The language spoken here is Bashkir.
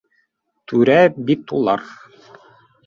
Түрә бит улар!